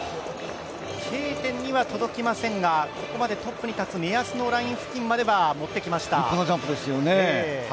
Ｋ点には届きませんが、ここまでトップに立つ目安のライン付近までは立派なジャンプですよね。